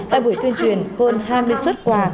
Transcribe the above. tại buổi tuyên truyền hơn hai mươi suất quà